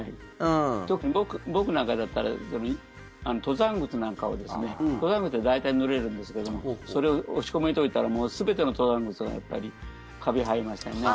僕なんかだったら登山靴なんかを登山靴、大体ぬれるんですけどそれを押し込めといたら全ての登山靴がやっぱりカビ生えましたね。